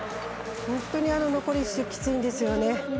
本当に残り１周きついんですよね。